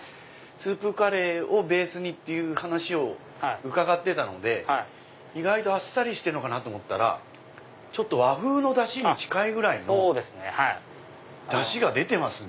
スープカレーをベースにっていう話を伺ってたので意外とあっさりしてるのかなと思ったら和風のダシに近いぐらいのダシが出てますね。